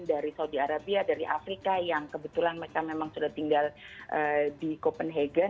dari saudi arabia dari afrika yang kebetulan mereka memang sudah tinggal di copenhagen